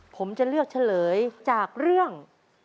ผมจะเลือกเฉลยจากเรื่อง